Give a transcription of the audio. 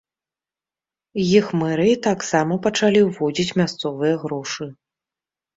Іх мэрыі таксама пачалі ўводзіць мясцовыя грошы.